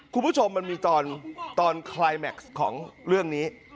คุณผู้ชมมันมีตอนคลายแม็กซ์ของเรื่องนี้